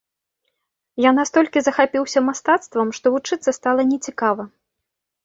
Я настолькі захапіўся мастацтвам, што вучыцца стала не цікава.